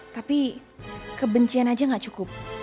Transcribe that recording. tapi kebencian aja gak cukup